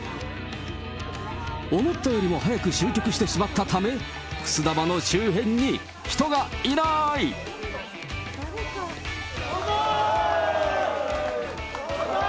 思ったよりも早く終局してしまったため、くす玉の周辺に人が万歳。